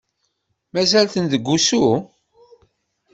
Mazal-ten deg usu?